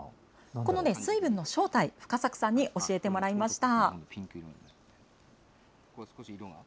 この水分の正体、深作さんに教えてもらいました。